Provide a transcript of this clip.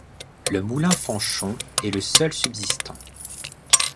Le moulin Fanchon est le seul subsistant.